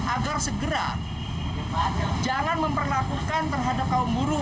agar segera jangan memperlakukan terhadap kaum buruh